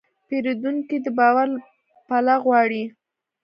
پیرودونکی د باور پله غواړي.